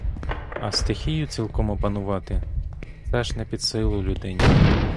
А стихію цілком опанувати — це ж не під силу людині.